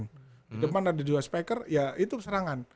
di depan ada dua speaker ya itu serangan